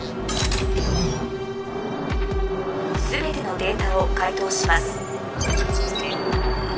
全てのデータを解凍します。